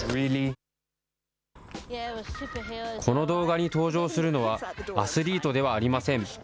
この動画に登場するのは、アスリートではありません。